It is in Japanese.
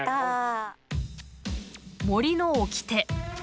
「森の掟」。